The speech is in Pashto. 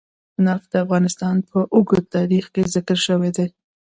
نفت د افغانستان په اوږده تاریخ کې ذکر شوی دی.